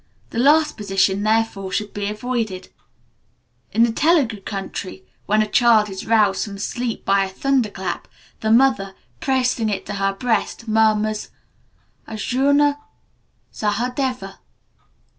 The last position, therefore, should be avoided. In the Telugu country, when a child is roused from sleep by a thunderclap, the mother, pressing it to her breast, murmurs, "Arjuna Sahadeva."